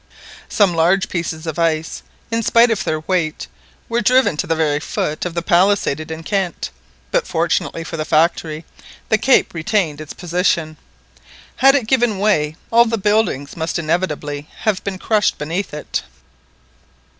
Some large pieces of ice, in spite of their weight, were driven to the very foot of the palisaded enceinte; but fortunately for the factory the cape retained its position; had it given way all the buildings must inevitably have been crushed beneath it.